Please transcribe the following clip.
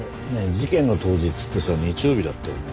事件の当日ってさ日曜日だったよな？